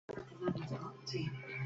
Su emblema era una cruz de Santiago roja.